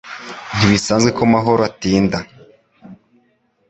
Ntibisanzwe ko mahoro atinda